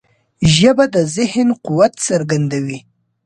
ژبه د ذهن قوت څرګندوي